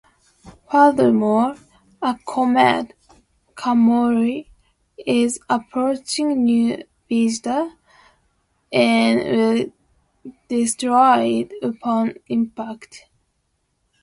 Furthermore, a comet, Camori, is approaching New Vegeta, and will destroy it upon impact.